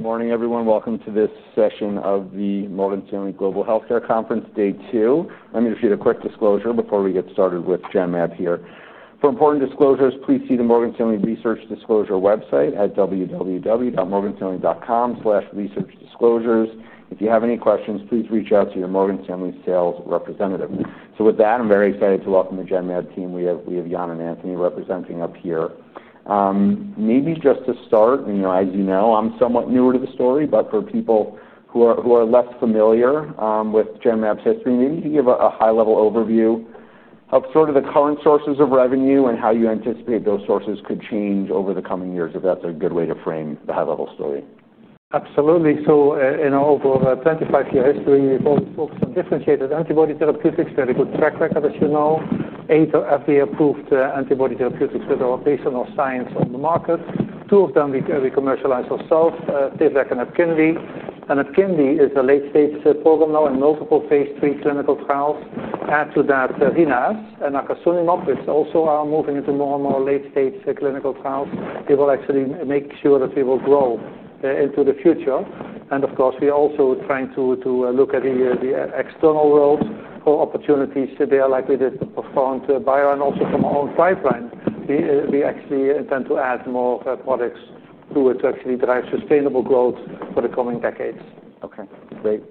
Good morning, everyone. Welcome to this session of the Morgan Stanley Global Healthcare Conference, Day 2. Let me read a quick disclosure before we get started with Genmab here. For important disclosures, please see the Morgan Stanley Research Disclosure website at www.morganstanley.com/researchdisclosures. If you have any questions, please reach out to your Morgan Stanley sales representative. I'm very excited to welcome the Genmab team. We have Jan and Anthony representing up here. Maybe just to start, as you know, I'm somewhat newer to the story, but for people who are less familiar with Genmab's history, maybe you can give a high-level overview of the current sources of revenue and how you anticipate those sources could change over the coming years, if that's a good way to frame the high-level story. Absolutely. In all of our 25-year history, we've focused on differentiated antibody therapeutics that we could track record, as you know, eight of the approved antibody therapeutics that are based on our science on the market. Two of them we commercialize ourselves, Tivdak and EPKINLY. EPKINLY is a late-stage program now in multiple phase III clinical trials. Add to that RINASCE and Akasunimab, which also are moving into more and more late-stage clinical trials. They will actually make sure that we will grow into the future. Of course, we are also trying to look at the external world for opportunities. They are likely to perform to buyer and also from our own pipeline. We actually intend to add more products through it to actually drive sustainable growth for the coming decades. Okay, great.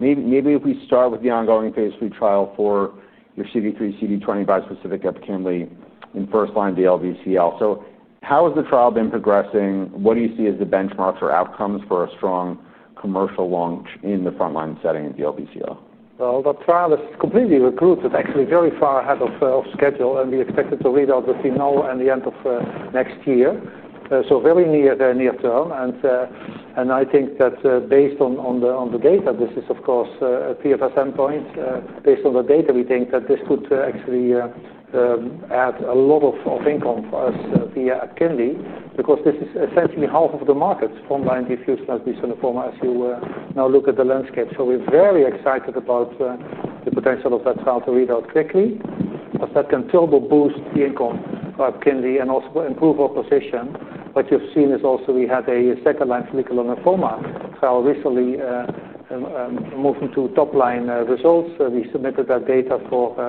Maybe if we start with the ongoing phase III trial for your CD3xCD20 bispecific EPKINLY in first-line DLBCL. How has the trial been progressing? What do you see as the benchmarks or outcomes for a strong commercial launch in the front-line setting in DLBCL? The trial is completely recruited, actually very far ahead of schedule, and we expect it to read out the final at the end of next year. Very near-term. I think that based on the data, this is of course a PFS endpoint. Based on the data, we think that this could actually add a lot of income for us via EPKINLY because this is essentially half of the markets from line diffuse large B-cell lymphoma, as you now look at the landscape. We're very excited about the potential of that trial to read out quickly. That can turbo boost the income for EPKINLY and also improve our position. What you've seen is also we had a second-line follicular lymphoma trial recently and moving to top-line results. We submitted that data for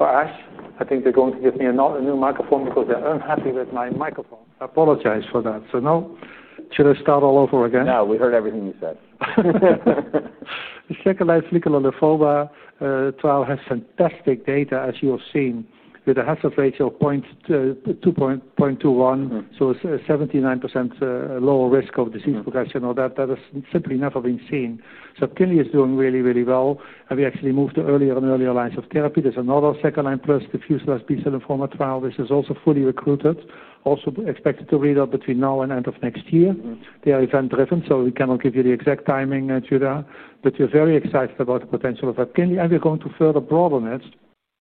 ASH. I think they're going to give me a new microphone because they're unhappy with my microphone. I apologize for that. Now, should I start all over again? No, we heard everything you said. Second-line follicular lymphoma trial has fantastic data, as you have seen, with a hazard ratio of 0.21. It's a 79% lower risk of disease progression or that that has simply never been seen. EPKINLY is doing really, really well. We actually moved to earlier and earlier lines of therapy. There's another second-line plus diffuse large B-cell lymphoma trial. This is also fully recruited, also expected to read out between now and end of next year. They are event-driven, so we cannot give you the exact timing, Judith. We are very excited about the potential of EPKINLY. We are going to further broaden it.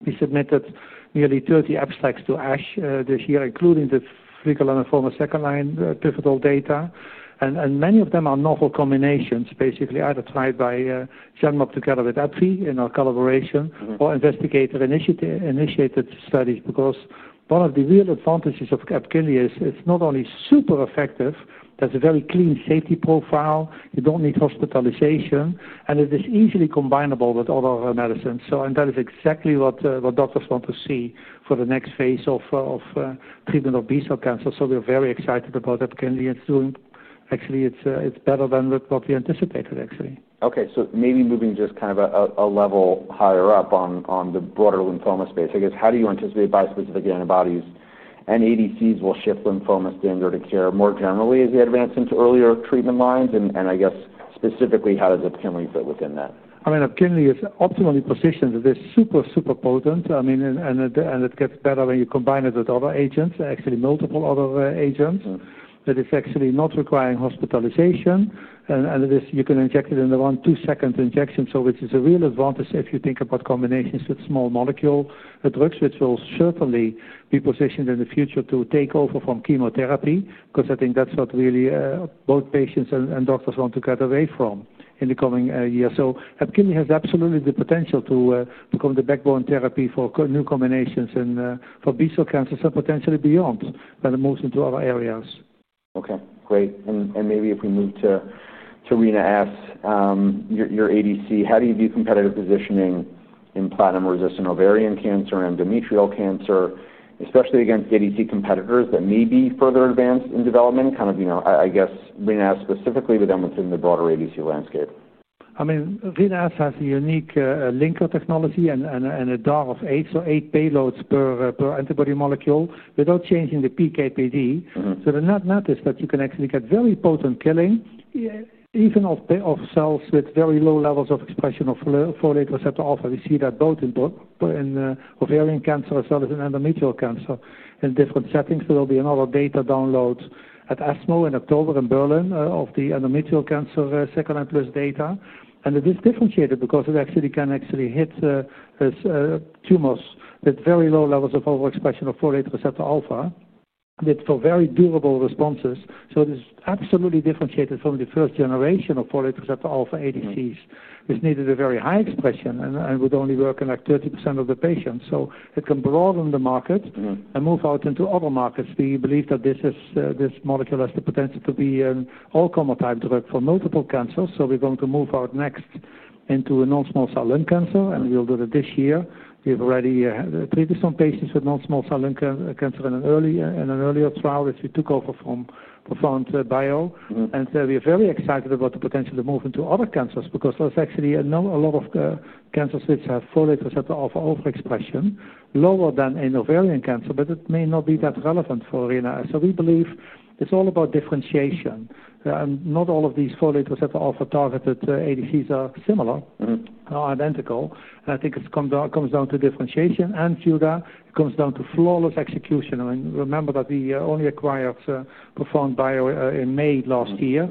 We submitted nearly 30 abstracts to ASH this year, including the follicular lymphoma second-line pivotal data. Many of them are novel combinations, basically either tried by Genmab together with EPKINLY in our collaboration or investigator-initiated studies because one of the real advantages of EPKINLY is it's not only super effective, it has a very clean safety profile. You don't need hospitalization, and it is easily combinable with other medicines. That is exactly what doctors want to see for the next phase of treatment of B-cell cancer. We are very excited about EPKINLY. It's doing actually, it's better than what we anticipated, actually. Okay, so maybe moving just kind of a level higher up on the broader lymphoma space, I guess, how do you anticipate bispecific antibodies and ADCs will shift lymphoma standard of care more generally as we advance into earlier treatment lines? I guess specifically, how does EPKINLY fit within that? I mean, EPKINLY is optimally positioned in that it's super, super potent. I mean, it gets better when you combine it with other agents, actually multiple other agents. It is actually not requiring hospitalization, and you can inject it in the one-to-two-second injection, which is a real advantage if you think about combinations with small molecule drugs, which will certainly be positioned in the future to take over from chemotherapy, because I think that's what really both patients and doctors want to get away from in the coming years. EPKINLY has absolutely the potential to become the backbone therapy for new combinations and for B-cell cancers and potentially beyond, as it moves into other areas. Okay, great. Maybe if we move to RINASCE, your ADC, how do you view competitive positioning in platinum-resistant ovarian cancer and endometrial cancer, especially against the ADC competitors that may be further advanced in development? Kind of, you know, I guess RINASCE specifically, but then within the broader ADC landscape. I mean, RINASCE has a unique linker technology and a drug-to-antibody ratio of eight, so eight payloads per antibody molecule without changing the PKPD. They're not nothing, but you can actually get very potent killing, yeah, even of cells with very low levels of expression of folate receptor alpha. We see that both in ovarian cancer as well as in endometrial cancer in different settings. There'll be another data download at ESMO in October in Berlin of the endometrial cancer second-line plus data. It is differentiated because it actually can hit tumors with very low levels of overexpression of folate receptor alpha for very durable responses. It is absolutely differentiated from the first generation of folate receptor alpha ADCs, which needed a very high expression and would only work in like 30% of the patients. It can broaden the market and move out into other markets. We believe that this molecule has the potential to be an all-comer type drug for multiple cancers. We're going to move next into non-small cell lung cancer, and we'll do it this year. We've already treated some patients with non-small cell lung cancer in an earlier trial that we took over from Profound Bio. We're very excited about the potential to move into other cancers because that's actually a lot of cancers which have folate receptor alpha overexpression lower than in ovarian cancer, but it may not be that relevant for RINASCE as we believe. It's all about differentiation. Not all of these folate receptor alpha targeted ADCs are similar or identical. I think it comes down to differentiation. Judah, it comes down to flawless execution. Remember that we only acquired Profound Bio in May last year.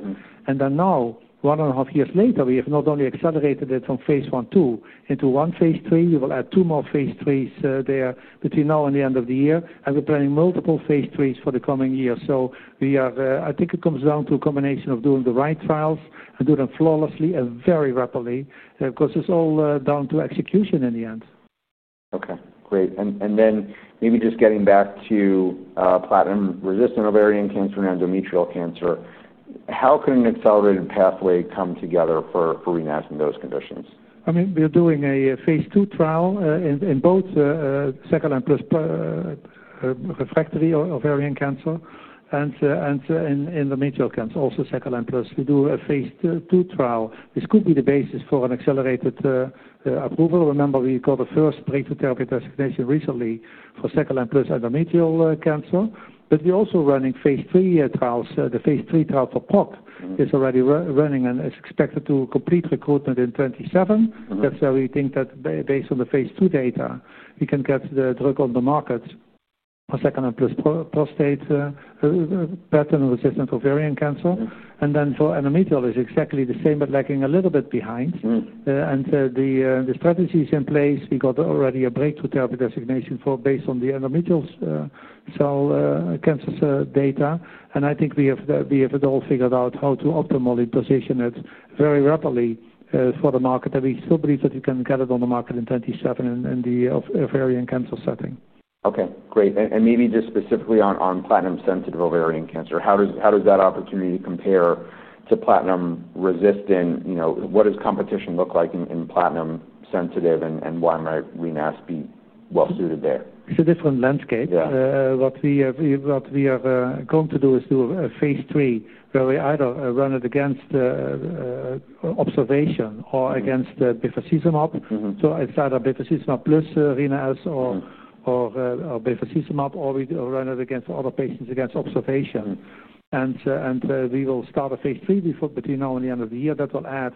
Now, one and a half years later, we have not only accelerated it from phase one two into one phase three, you will add two more phase threes there between now and the end of the year. We're planning multiple phase threes for the coming year. I think it comes down to a combination of doing the right trials and doing them flawlessly and very rapidly because it's all down to execution in the end. Okay, great. Maybe just getting back to platinum-resistant ovarian cancer and endometrial cancer, how can an accelerated pathway come together for RINASCE in those conditions? I mean, we're doing a phase II trial in both second-line plus refractory ovarian cancer and endometrial cancer, also second-line plus. We do a phase II trial. This could be the basis for an accelerated approval. Remember, we got the first breakthrough therapy designation recently for second-line plus endometrial cancer. We're also running phase III trials. The phase III trial for POC is already running and is expected to complete recruitment in 2027. That's where we think that based on the phase II data, we can get the drug on the market for second-line plus platinum-resistant ovarian cancer. For endometrial, it's exactly the same, but lagging a little bit behind. The strategy is in place. We got already a breakthrough therapy designation based on the endometrial cancer data. I think we have it all figured out how to optimally position it very rapidly for the market. We still believe that we can get it on the market in 2027 in the ovarian cancer setting. Okay, great. Maybe just specifically on platinum-sensitive ovarian cancer, how does that opportunity compare to platinum-resistant? What does competition look like in platinum-sensitive and why might RINASCE be well-suited there? It's a different landscape. What we are going to do is do a phase III where we either run it against observation or against bevacizumab. It's either bevacizumab plus RINASCE or bevacizumab, or we run it against other patients against observation. We will start a phase III between now and the end of the year that will add,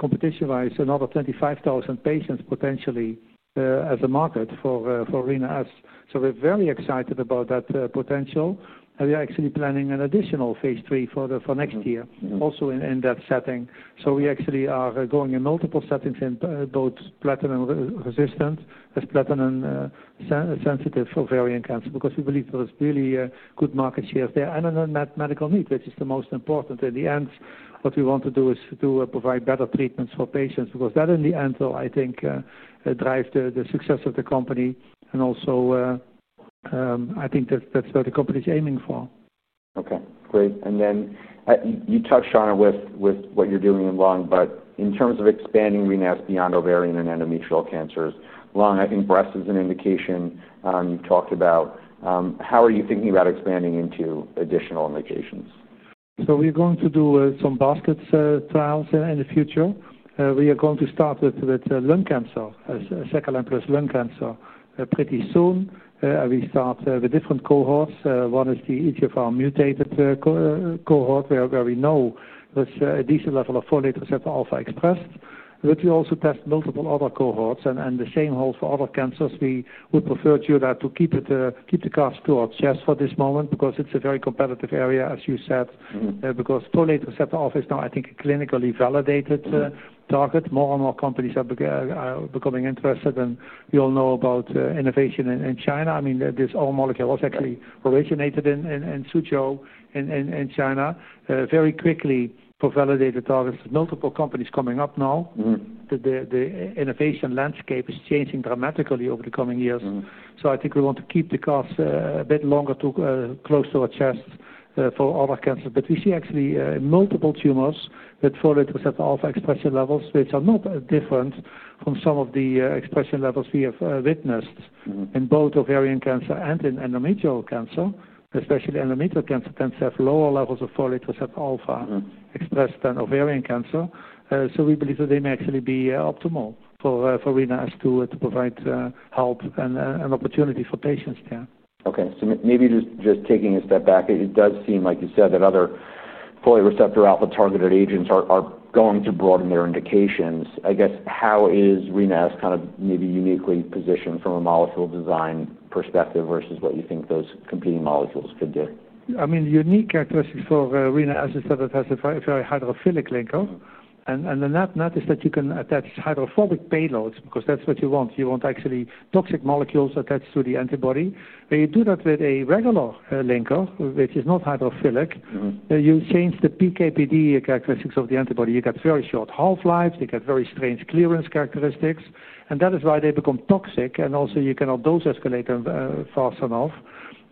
competition-wise, another 25,000 patients potentially at the market for RINASCE. We're very excited about that potential. We are actually planning an additional phase III for next year, also in that setting. We actually are going in multiple settings in both platinum-resistant as platinum-sensitive ovarian cancer because we believe there is really good market share there and a medical need, which is the most important. In the end, what we want to do is to provide better treatments for patients because that in the end will, I think, drive the success of the company. I think that's what the company is aiming for. Okay, great. You touched on with what you're doing in lung, but in terms of expanding RINASCE beyond ovarian and endometrial cancers, lung, I think breast is an indication you've talked about. How are you thinking about expanding into additional indications? We are going to do some basket trials in the future. We are going to start with lung cancer, second-line plus lung cancer pretty soon. We start with different cohorts. One is the EGFR-mutated cohort where we know there's a decent level of folate receptor alpha expressed. We also test multiple other cohorts. The same holds for other cancers. We would prefer, Judith, to keep the cash storage just for this moment because it's a very competitive area, as you said, because folate receptor alpha is now, I think, a clinically validated target. More and more companies are becoming interested. We all know about innovation in China. This whole molecule was actually originated in Suzhou in China. Very quickly for validated targets, with multiple companies coming up now, the innovation landscape is changing dramatically over the coming years. I think we want to keep the cash a bit longer close to our chest for other cancers. We see actually multiple tumors with folate receptor alpha expression levels, which are not different from some of the expression levels we have witnessed in both ovarian cancer and in endometrial cancer. Especially endometrial cancer tends to have lower levels of folate receptor alpha expressed than ovarian cancer. We believe that they may actually be optimal for RINASCE to provide help and an opportunity for patients there. Okay, maybe just taking a step back, it does seem like you said that other folate receptor alpha targeted agents are going to broaden their indications. I guess how is RINASCE kind of maybe uniquely positioned from a molecule design perspective versus what you think those competing molecules could do? I mean, the unique characteristics for RINASCE, as I said, it has a very hydrophilic linker. The nut is that you can attach hydrophobic payloads because that's what you want. You want actually toxic molecules attached to the antibody. You do that with a regular linker, which is not hydrophilic. You change the PKPD characteristics of the antibody. You get very short half-lives. They get very strange clearance characteristics. That is why they become toxic. Also, you cannot dose escalate them fast enough.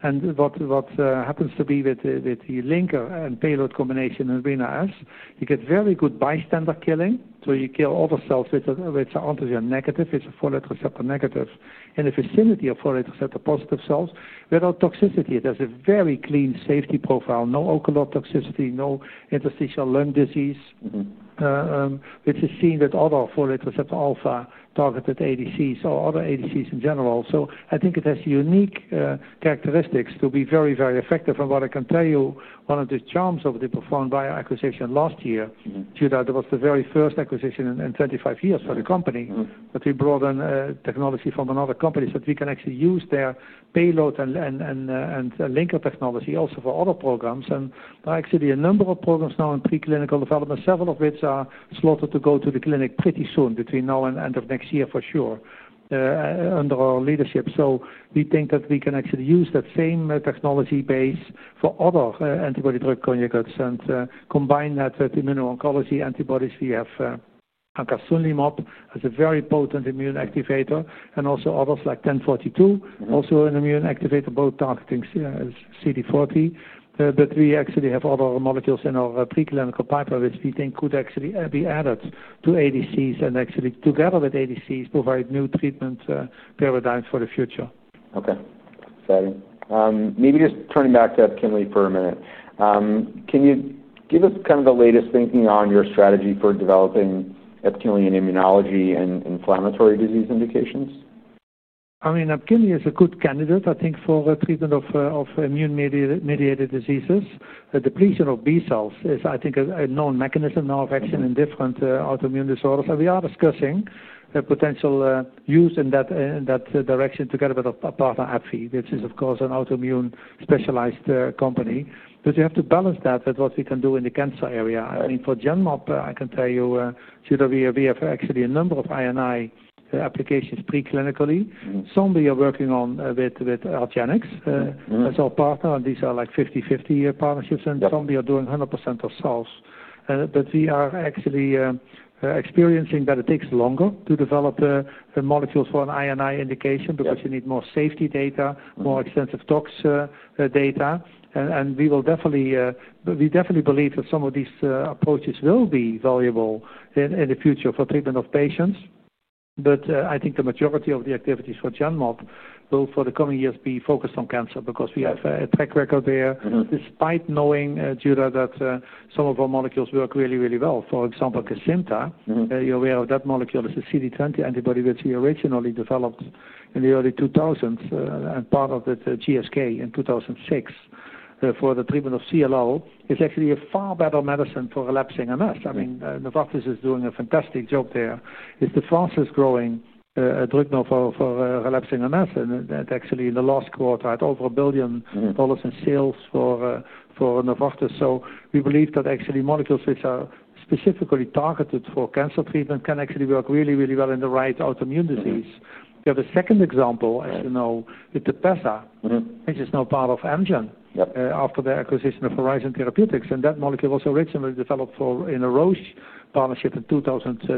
What happens to be with the linker and payload combination in RINASCE is you get very good bystander killing. You kill other cells with antigen negative, with a folate receptor negative, in a vicinity of folate receptor positive cells without toxicity. It has a very clean safety profile, no ocular toxicity, no interstitial lung disease, which is seen with other folate receptor alpha targeted ADCs or other ADCs in general. I think it has unique characteristics to be very, very effective. What I can tell you, one of the charms of the Profound Bio acquisition last year, Judah, that was the very first acquisition in 25 years for the company. We brought in technology from another company so that we can actually use their payload and linker technology also for other programs. There are actually a number of programs now in preclinical development, several of which are slotted to go to the clinic pretty soon, between now and the end of next year for sure, under our leadership. We think that we can actually use that same technology base for other antibody-drug conjugates and combine that with immuno-oncology antibodies. We have Akasunimab as a very potent immune activator and also others like 1042, also an immune activator, both targeting CD40. We actually have other molecules in our preclinical pipeline, which we think could actually be added to ADCs and actually together with ADCs provide new treatment paradigms for the future. Okay, fascinating. Maybe just turning back to EPKINLY for a minute. Can you give us kind of the latest thinking on your strategy for developing EPKINLY in immunology and inflammatory disease indications? I mean, EPKINLY is a good candidate, I think, for treatment of immune-mediated diseases. The depletion of B cells is, I think, a known mechanism now of action in different autoimmune disorders. We are discussing a potential use in that direction together with a partner, Epfi, which is, of course, an autoimmune specialized company. We have to balance that with what we can do in the cancer area. I mean, for Genmab, I can tell you, Judith, we have actually a number of INI applications preclinically. Some we are working on with Algenix as our partner, and these are like 50-50 partnerships. Some we are doing 100% ourselves. We are actually experiencing that it takes longer to develop molecules for an INI indication because you need more safety data, more extensive tox data. We definitely believe that some of these approaches will be valuable in the future for treatment of patients. I think the majority of the activities for Genmab will, for the coming years, be focused on cancer because we have a track record there, despite knowing, Judith, that some of our molecules work really, really well. For example, Kesimpta, you're aware of that molecule. It's a CD20 antibody which we originally developed in the early 2000s and part of the GSK in 2006 for the treatment of CLL. It's actually a far better medicine for relapsing MS. I mean, Novartis is doing a fantastic job there. It's the fastest growing drug now for relapsing MS. It actually, in the last quarter, had over $1 billion in sales for Novartis. We believe that actually molecules which are specifically targeted for cancer treatment can actually work really, really well in the right autoimmune disease. We have a second example, as you know, with TEPEZZA, which is now part of Amgen after the acquisition of Horizon. That molecule was originally developed in a Roche partnership in 2003.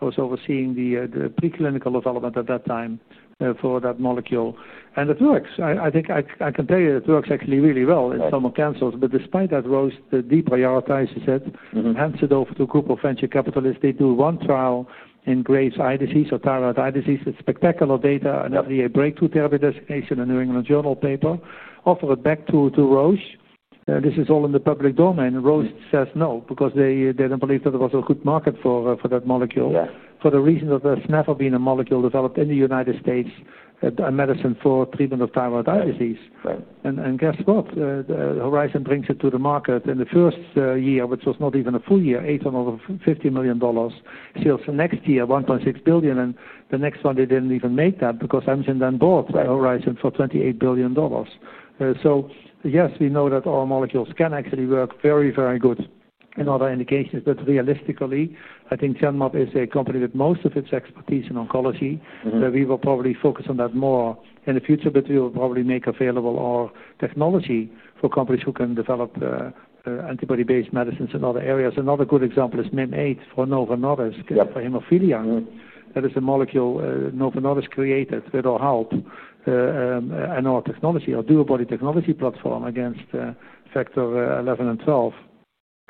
I was overseeing the preclinical development at that time for that molecule. It works. I think I can tell you it works actually really well in some cancers. Despite that, Roche deprioritizes it, hands it over to a group of venture capitalists. They do one trial in Graves' eye disease or thyroid eye disease with spectacular data and FDA breakthrough therapy designation in the New England Journal paper, offer it back to Roche. This is all in the public domain. Roche says no because they didn't believe that there was a good market for that molecule for the reason that there's never been a molecule developed in the U.S., a medicine for treatment of thyroid eye disease. Guess what? Horizon brings it to the market in the first year, which was not even a full year, $850 million. Sales next year, $1.6 billion. The next one, they didn't even make that because Amgen then bought Horizon for $28 billion. Yes, we know that our molecules can actually work very, very good in other indications. Realistically, I think Genmab is a company with most of its expertise in oncology. We will probably focus on that more in the future, but we will probably make available our technology for companies who can develop antibody-based medicines in other areas. Another good example is Myn8 for NovoNova for hemophilia. That is a molecule NovoNova has created with our help and our technology, our dual body technology platform against factor 11 and 12.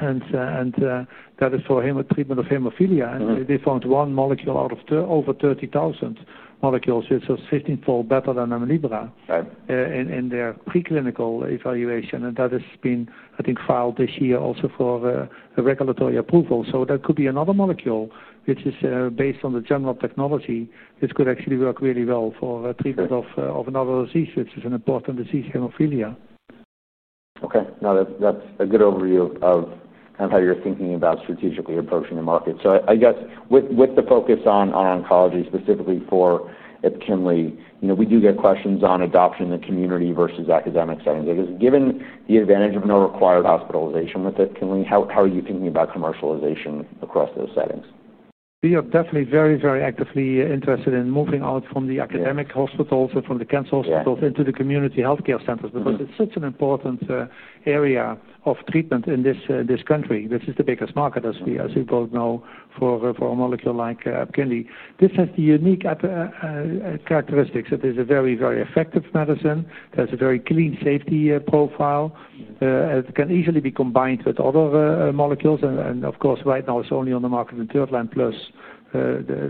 That is for treatment of hemophilia. They found one molecule out of over 30,000 molecules. It's a 15-fold better than MYLIBRA in their preclinical evaluation. That has been, I think, filed this year also for a regulatory approval. That could be another molecule which is based on the Genmab technology. This could actually work really well for treatment of another disease, which is an important disease, hemophilia. Okay. Now that's a good overview of how you're thinking about strategically approaching the market. I guess with the focus on oncology, specifically for EPKINLY, we do get questions on adoption in the community versus academic settings. I guess given the advantage of no required hospitalization with EPKINLY, how are you thinking about commercialization across those settings? We are definitely very, very actively interested in moving out from the academic hospitals and from the cancer hospitals into the community healthcare centers because it's such an important area of treatment in this country, which is the biggest market, as you both know, for a molecule like EPKINLY. This has the unique characteristics. It is a very, very effective medicine. It has a very clean safety profile. It can easily be combined with other molecules. Of course, right now, it's only on the market with third-line plus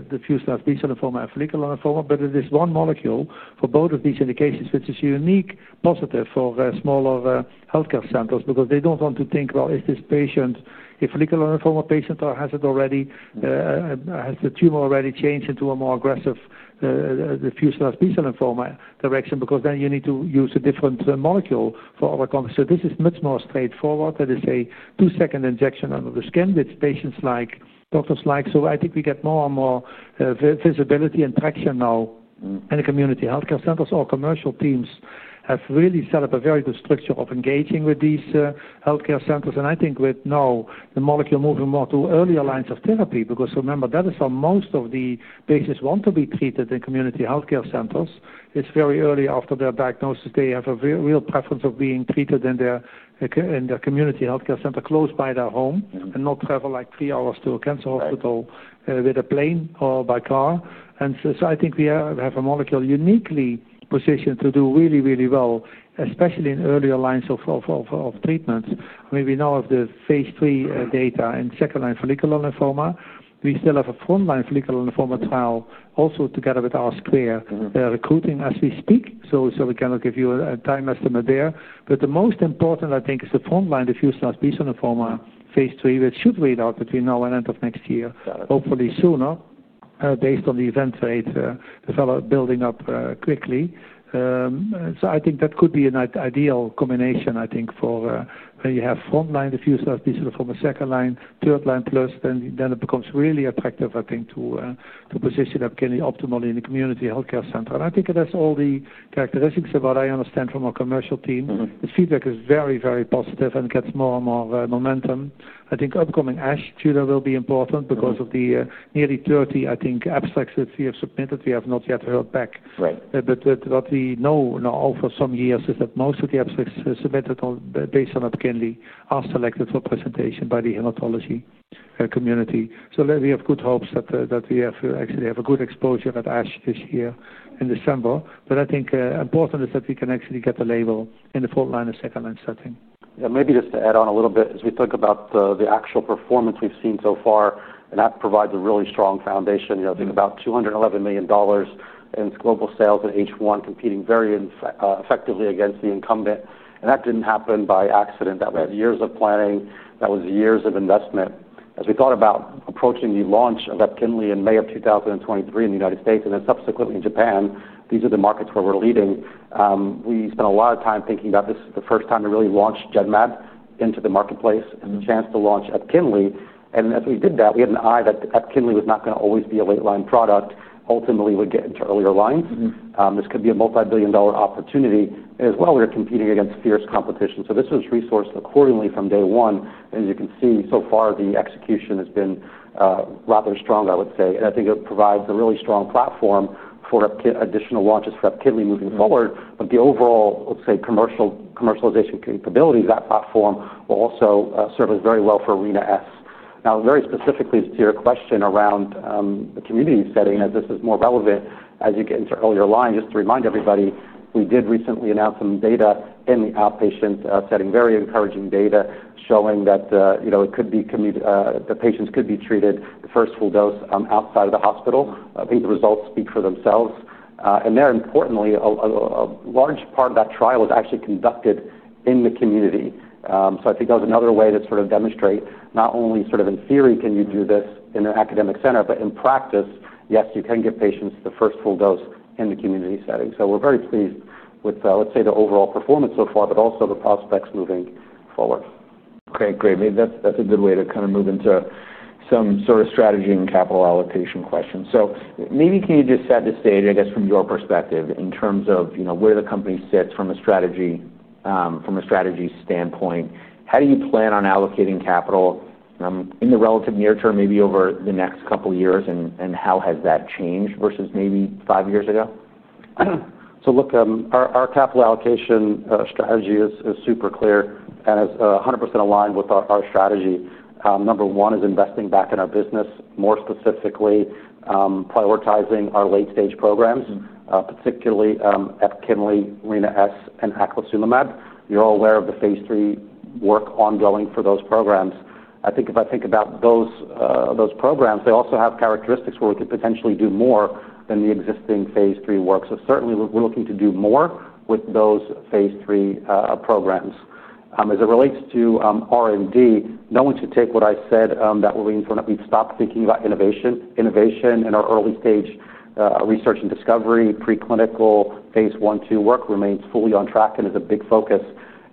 diffuse large B-cell lymphoma and follicular lymphoma. It is one molecule for both of these indications, which is a unique positive for smaller healthcare centers because they don't want to think, well, is this patient a follicular lymphoma patient or has the tumor already changed into a more aggressive diffuse large B-cell lymphoma direction because then you need to use a different molecule for other contexts. This is much more straightforward. It is a two-second injection under the skin, which patients like, doctors like. I think we get more and more visibility and traction now in the community healthcare centers. Our commercial teams have really set up a very good structure of engaging with these healthcare centers. I think with now the molecule moving more to earlier lines of therapy, because remember, that is how most of the patients want to be treated in community healthcare centers. It's very early after their diagnosis. They have a real preference of being treated in their community healthcare center close by their home and not travel like three hours to a cancer hospital with a plane or by car. I think we have a molecule uniquely positioned to do really, really well, especially in earlier lines of treatments. I mean, we now have the phase III data in second-line follicular lymphoma. We still have a front-line follicular lymphoma trial also together with ASHCLARE recruiting as we speak. We cannot give you a time estimate there. The most important, I think, is the front-line diffuse large B-cell lymphoma phase III, which should read out between now and end of next year, hopefully sooner, based on the event rate developed building up quickly. I think that could be an ideal combination, I think, for when you have front-line diffuse large B-cell lymphoma, second-line, third-line plus, then it becomes really attractive, I think, to position EPKINLY optimally in the community healthcare center. I think it has all the characteristics that I understand from our commercial team. The feedback is very, very positive and gets more and more momentum. I think upcoming ASH, Judith, will be important because of the nearly 30, I think, abstracts that we have submitted. We have not yet heard back. What we know now for some years is that most of the abstracts submitted based on EPKINLY are selected for presentation by the hematology community. We have good hopes that we actually have a good exposure at ASH this year in December. I think important is that we can actually get a label in the front-line and second-line setting. Yeah, maybe just to add on a little bit, as we think about the actual performance we've seen so far, that provides a really strong foundation. I think about $211 million in global sales in H1 competing very effectively against the incumbent. That didn't happen by accident. That was years of planning. That was years of investment. As we thought about approaching the launch of EPKINLY in May of 2023 in the U.S. and then subsequently in Japan, these are the markets where we're leading. We spent a lot of time thinking about this as the first time to really launch Genmab into the marketplace and the chance to launch EPKINLY. As we did that, we had an eye that EPKINLY was not going to always be a late-line product. Ultimately, we get into earlier lines. This could be a multi-billion dollar opportunity. We're competing against fierce competition. This was resourced accordingly from day one. As you can see, so far, the execution has been rather strong, I would say. I think it provides a really strong platform for additional launches for EPKINLY moving forward. The overall, let's say, commercialization capability of that platform will also serve us very well for RINASCE. Now, very specifically to your question around the community setting, this is more relevant as you get into earlier lines. Just to remind everybody, we did recently announce some data in the outpatient setting, very encouraging data showing that the patients could be treated the first full dose outside of the hospital. I think the results speak for themselves. Importantly, a large part of that trial was actually conducted in the community. That was another way to sort of demonstrate not only in theory can you do this in an academic center, but in practice, yes, you can give patients the first full dose in the community setting. We're very pleased with, let's say, the overall performance so far, but also the prospects moving forward. Okay, great. Maybe that's a good way to kind of move into some sort of strategy and capital allocation question. Maybe can you just set the stage, I guess, from your perspective in terms of where the company sits from a strategy standpoint? How do you plan on allocating capital in the relative near term, maybe over the next couple of years, and how has that changed versus maybe five years ago? Our capital allocation strategy is super clear and is 100% aligned with our strategy. Number one is investing back in our business, more specifically prioritizing our late-stage programs, particularly EPKINLY, RINASCE, and Akasunimab. You're all aware of the phase III work ongoing for those programs. If I think about those programs, they also have characteristics where we could potentially do more than the existing phase III work. Certainly, we're looking to do more with those phase III programs. As it relates to R&D, no one should take what I've said that we've stopped thinking about innovation. Innovation in our early-stage research and discovery, preclinical phase I-II work remains fully on track and is a big focus.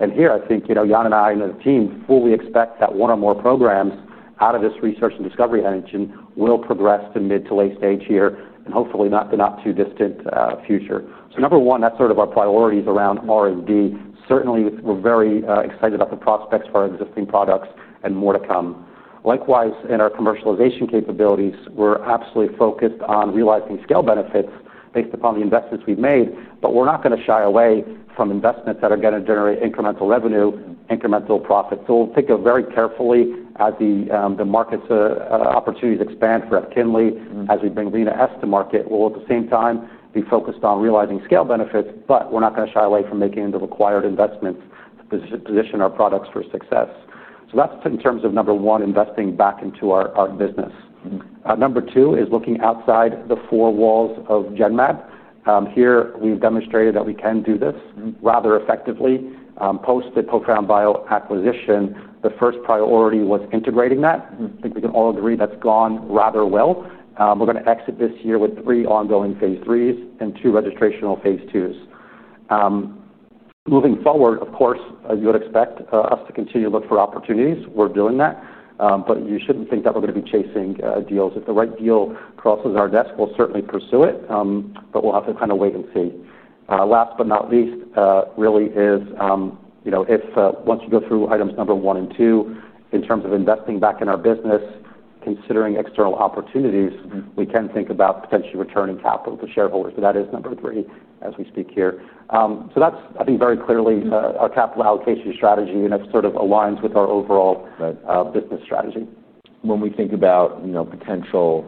Jan and I and the team fully expect that one or more programs out of this research and discovery engine will progress to mid to late-stage here and hopefully not in the not-too-distant future. Number one, that's sort of our priorities around R&D. Certainly, we're very excited about the prospects for our existing products and more to come. Likewise, in our commercialization capabilities, we're absolutely focused on realizing scale benefits based upon the investments we've made. We're not going to shy away from investments that are going to generate incremental revenue, incremental profit. We'll take it very carefully as the market opportunities expand for EPKINLY. As we bring RINASCE to market, we'll at the same time be focused on realizing scale benefits, but we're not going to shy away from making the required investments to position our products for success. That's in terms of number one, investing back into our business. Number two is looking outside the four walls of Genmab. Here, we've demonstrated that we can do this rather effectively. Post the Profound Bio acquisition, the first priority was integrating that. I think we can all agree that's gone rather well. We're going to exit this year with three ongoing phase IIIs and two registrational phase IIs. Moving forward, of course, you would expect us to continue to look for opportunities. We're doing that. You shouldn't think that we're going to be chasing deals. If the right deal crosses our desk, we'll certainly pursue it. We'll have to kind of wait and see. Last but not least, if once you go through items number one and two, in terms of investing back in our business, considering external opportunities, we can think about potentially returning capital to shareholders. That is number three as we speak here. That's, I think, very clearly a capital allocation strategy, and it sort of aligns with our overall business strategy. When we think about potential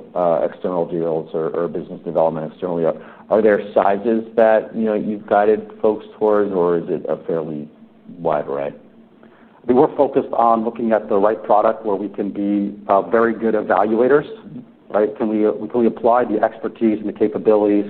external deals or business development externally, are there sizes that you've guided folks toward, or is it a fairly wide array? I think we're focused on looking at the right product where we can be very good evaluators. We can really apply the expertise and the capabilities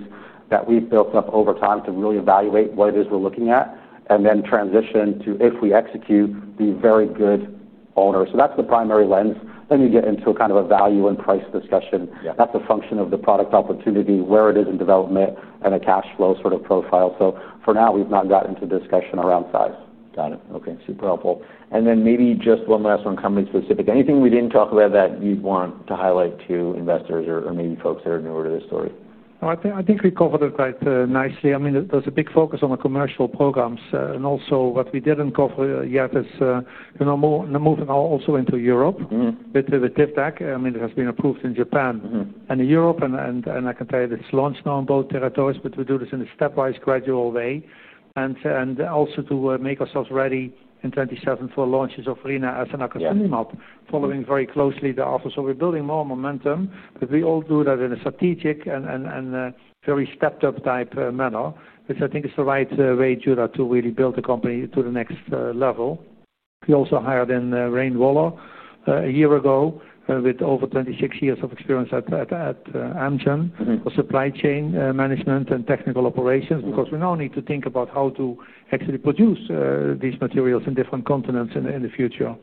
that we've built up over time to really evaluate what it is we're looking at and then transition to, if we execute, be very good owners. That's the primary lens. You get into a kind of a value and price discussion. That's a function of the product opportunity, where it is in development, and a cash flow sort of profile. For now, we've not gotten into the discussion around size. Got it. Okay, super helpful. Maybe just one last one, company specific. Anything we didn't talk about that you'd want to highlight to investors or maybe folks that are newer to this story? No, I think we covered it quite nicely. I mean, there's a big focus on the commercial programs. Also, what we didn't cover yet is, you know, moving also into Europe with Tivdak. I mean, it has been approved in Japan and in Europe. I can tell you this launch now in both territories, but we do this in a stepwise, gradual way. Also, to make ourselves ready in 2027 for launches of RINASCE and Akasunimab, following very closely the offer. We're building more momentum, but we all do that in a strategic and very stepped-up type manner, which I think is the right way, Judith, to really build the company to the next level. We also hired in Rein Wall a year ago with over 26 years of experience at Amgen for supply chain management and technical operations because we now need to think about how to actually produce these materials in different continents in the future.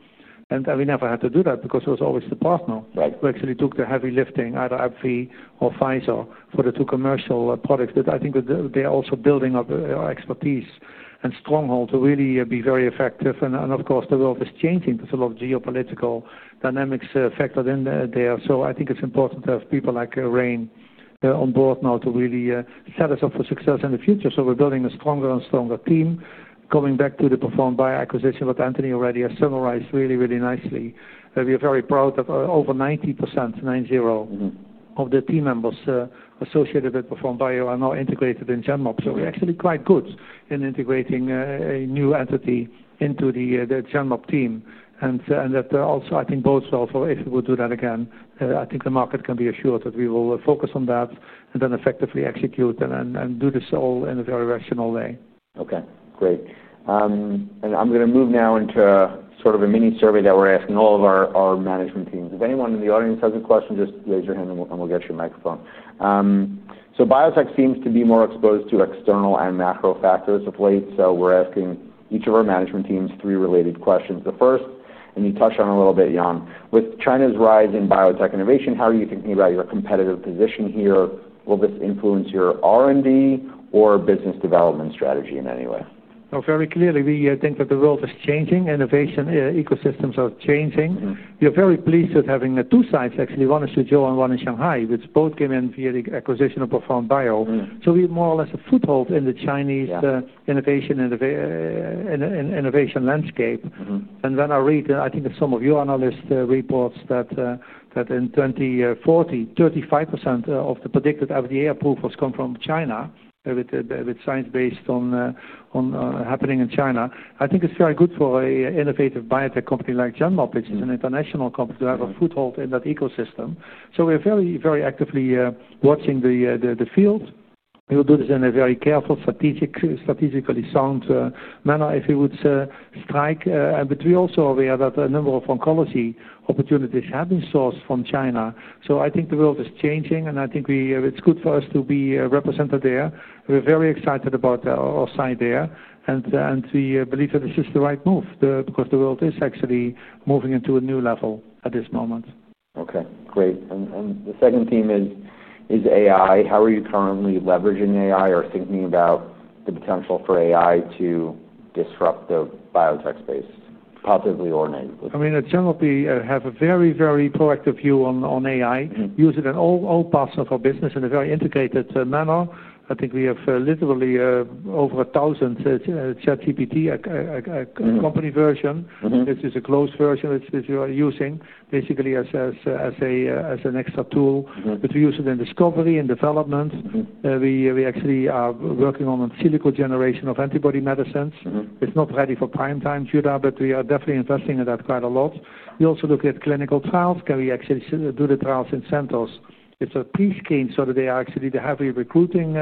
We never had to do that because it was always the partner who actually took the heavy lifting, either AbbVie or Pfizer, for the two commercial products. I think they're also building up expertise and stronghold to really be very effective. Of course, the world is changing with a lot of geopolitical dynamics factored in there. I think it's important to have people like Rein on board now to really set us up for success in the future. We're building a stronger and stronger team. Coming back to the Profound Bio acquisition, what Anthony already has summarized really, really nicely. We are very proud that over 90% of the team members associated with Profound Bio are now integrated in Genmab. We're actually quite good in integrating a new entity into the Genmab team. That also, I think, bodes well for if we would do that again. I think the market can be assured that we will focus on that and then effectively execute and do this all in a very rational way. Okay, great. I'm going to move now into sort of a mini survey that we're asking all of our management teams. If anyone in the audience has a question, just raise your hand and we'll get you a microphone. Biotech seems to be more exposed to external and macro factors of late. We're asking each of our management teams three related questions. The first, and you touched on it a little bit, Jan, with China's rise in biotech innovation, how are you thinking about your competitive position here? Will this influence your R&D or business development strategy in any way? No, very clearly, we think that the world is changing. Innovation ecosystems are changing. We are very pleased with having two sites, actually. One is Suzhou and one in Shanghai, which both came in via the acquisition of Profound Bio. We're more or less a foothold in the Chinese innovation landscape. I read, I think, some of your analysts' reports that in 2040, 35% of the predicted FDA approvals come from China with science based on happening in China. I think it's very good for an innovative biotech company like Genmab, which is an international company, to have a foothold in that ecosystem. We're very, very actively watching the field. We will do this in a very careful, strategically sound manner if we would strike. We're also aware that a number of oncology opportunities have been sourced from China. I think the world is changing, and I think it's good for us to be represented there. We're very excited about our site there, and we believe that this is the right move because the world is actually moving into a new level at this moment. Okay, great. The second theme is AI. How are you currently leveraging AI or thinking about the potential for AI to disrupt the biotech space, positively or negatively? I mean, at Genmab, we have a very, very proactive view on AI. We use it in all parts of our business in a very integrated manner. I think we have literally over a thousand ChatGPT company versions. This is a closed version that we are using basically as an extra tool. We use it in discovery and development. We actually are working on in silico generation of antibody medicines. It's not ready for prime time, Judith, but we are definitely investing in that quite a lot. We also look at clinical trials. Can we actually do the trials in centers? It's a pre-scheme, so that they are actually the heavy recruiting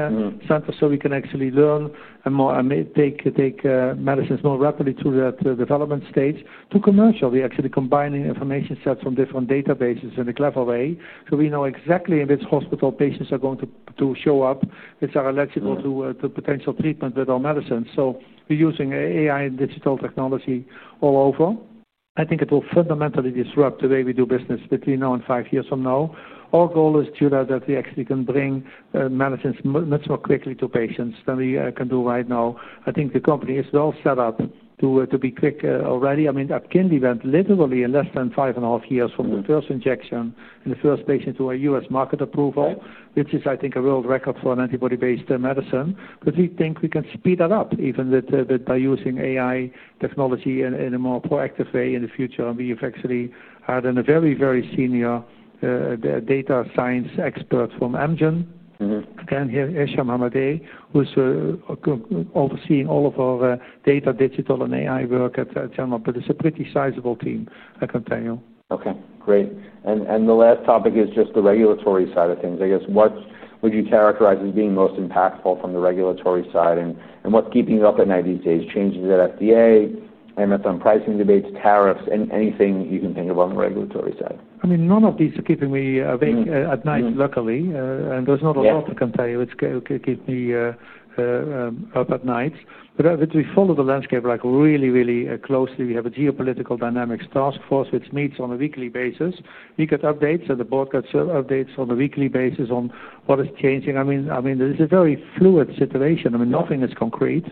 centers so we can actually learn and take medicines more rapidly through that development stage to commercial. We're actually combining information sets from different databases in a clever way. We know exactly in which hospital patients are going to show up, which are eligible to potential treatment with our medicines. We're using AI and digital technology all over. I think it will fundamentally disrupt the way we do business between now and five years from now. Our goal is, Judith, that we actually can bring medicines much more quickly to patients than we can do right now. I think the company is well set up to be quick already. I mean, EPKINLY went literally in less than five and a half years from the first injection in the first patient to a U.S. market approval, which is, I think, a world record for an antibody-based medicine. We think we can speed that up even by using AI technology in a more proactive way in the future. We've actually hired a very, very senior data science expert from Amgen, again, Hesham Hamadeh, who's overseeing all of our data, digital, and AI work at Genmab. It's a pretty sizable team, I can tell you. Okay, great. The last topic is just the regulatory side of things. I guess what would you characterize as being most impactful from the regulatory side and what's keeping you up at night these days? Changes at FDA, I met them pricing debates, tariffs, and anything you can think of on the regulatory side. None of these are keeping me awake at night luckily. There's not a lot I can tell you that keeps me up at night. We follow the landscape really, really closely. We have a geopolitical dynamics task force which meets on a weekly basis. We get updates and the board gets updates on a weekly basis on what is changing. This is a very fluid situation. Nothing is concrete.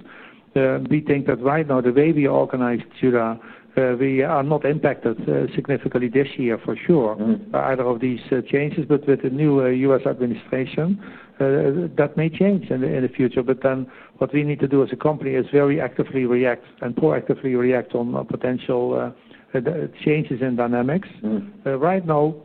We think that right now the way we organize, we are not impacted significantly this year for sure by either of these changes. With the new U.S. administration, that may change in the future. What we need to do as a company is very actively react and proactively react on potential changes in dynamics. Right now,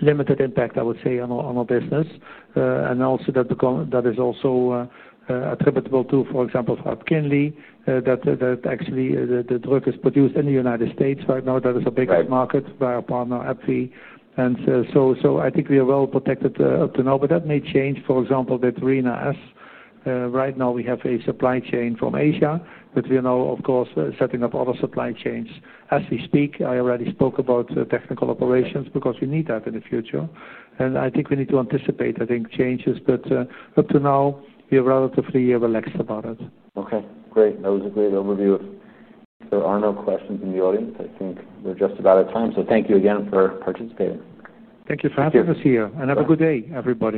limited impact, I would say, on our business. That is also attributable to, for example, EPKINLY, that actually the drug is produced in the United States right now. That is a big market by our partner. I think we are well protected up to now. That may change, for example, with RINASCE. Right now, we have a supply chain from Asia. We are now, of course, setting up other supply chains as we speak. I already spoke about technical operations because we need that in the future. I think we need to anticipate changes. Up to now, we are relatively relaxed about it. Okay, great. That was a great overview. If there are no questions from the audience, I think we're just about out of time. Thank you again for participating. Thank you for having us here. Have a good day, everybody.